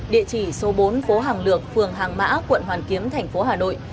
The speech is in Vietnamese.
địa chỉ số bốn phố hàng lược phường hàng mã quận hoàn kiếm thành phố hà nội